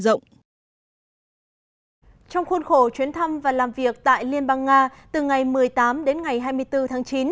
trong khuôn khổ chuyến thăm và làm việc tại liên bang nga từ ngày một mươi tám đến ngày hai mươi bốn tháng chín